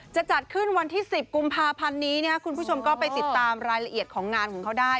จะจัดขึ้นวันที่๑๐กุมภาพันธ์นี้คุณผู้ชมก็ไปติดตามรายละเอียดของงานของเขาได้